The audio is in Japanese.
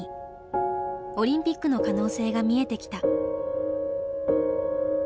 オリンピックの可能性が見えてきた。